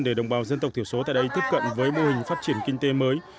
để đồng bào dân tộc thiểu số tại đây tiếp cận với mô hình phát triển kinh tế mới